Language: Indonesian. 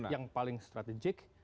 yang paling strategik